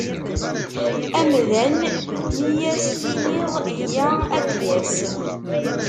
Amdan mi ad s-tiniḍ yya ad d-yas.